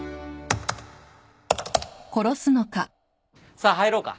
さあ入ろうか。